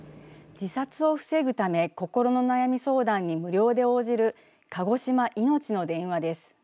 自殺を防ぐため心の悩み相談に無料で応じる鹿児島いのちの電話です。